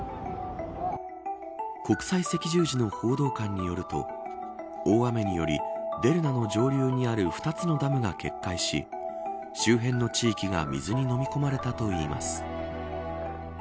国際赤十字の報道官によると大雨によりデルナの上流にある２つのダムが決壊し周辺の地域が水にのみ込まれたといいます。